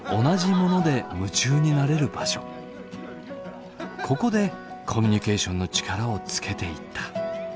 ここでコミュニケーションの力をつけていった。